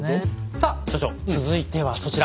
さあ所長続いてはそちら。